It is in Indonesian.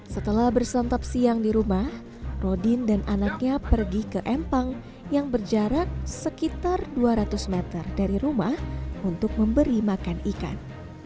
setelah bersantap siang di rumah rodin dan anaknya pergi ke empang yang berjarak sekitar dua ratus meter dari rumah untuk memberi makan ikan